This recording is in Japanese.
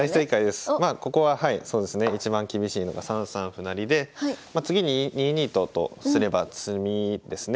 まあここははいそうですね一番厳しいのが３三歩成で次に２二と金とすれば詰みですね。